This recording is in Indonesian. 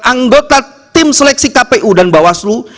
anggota tim seleksi kpu dan bawaslu